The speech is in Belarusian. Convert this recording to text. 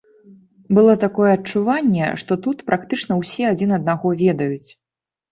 Было такое адчуванне, што тут практычна ўсе адзін аднаго ведаюць.